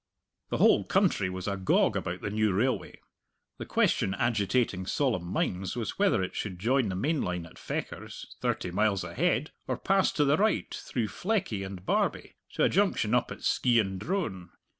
The whole country was agog about the new railway. The question agitating solemn minds was whether it should join the main line at Fechars, thirty miles ahead, or pass to the right, through Fleckie and Barbie, to a junction up at Skeighan Drone.